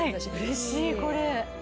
うれしいこれ。